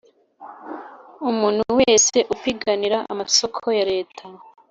umuntu wese upiganira amasoko ya Leta